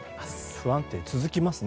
不安定、続きますね。